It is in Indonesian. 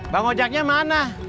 bang ojaknya mana